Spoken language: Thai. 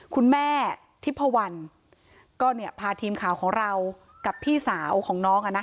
คุณแม่ที่พวันก็เนี้ยพาทีมข่าวของเรากับพี่สาวของน้องอ่ะนะ